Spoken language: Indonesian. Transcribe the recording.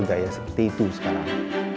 gaya seperti itu sekarang